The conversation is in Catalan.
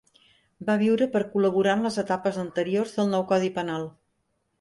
Va viure per col·laborar en les etapes anteriors del nou codi penal.